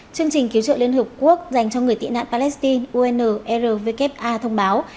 chương trình cứu trợ liên hợp quốc dành cho người tị nạn palestine unrwk thông báo